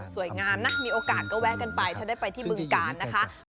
สวยงามนะมีโอกาสก็แวะกันไปถ้าได้ไปที่บึงกาลนะคะ